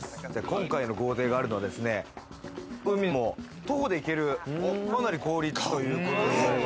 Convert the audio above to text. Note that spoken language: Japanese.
今回の豪邸があるのはですね、海も徒歩で行ける、かなり好立地という。